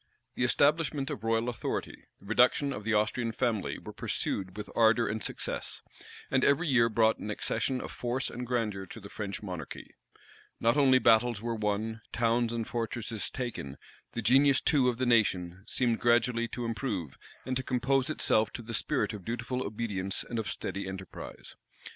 The establishment of royal authority, the reduction of the Austrian family, were pursued with ardor and success; and every year brought an accession of force and grandeur to the French monarchy. Not only battles were won, towns and fortresses taken; the genius too of the nation seemed gradually to improve, and to compose itself to the spirit of dutiful obedience and of steady enterprise.